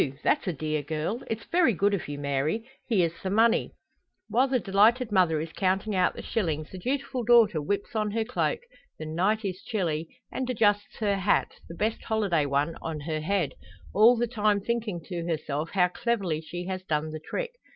that's a dear girl! It's very good of you, Mary. Here's the money." While the delighted mother is counting out the shillings, the dutiful daughter whips on her cloak the night is chilly and adjusts her hat, the best holiday one, on her head; all the time thinking to herself how cleverly she has done the trick.